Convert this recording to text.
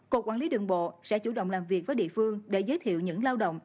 cục quản lý đường bộ sẽ chủ động làm việc với địa phương để giới thiệu những lao động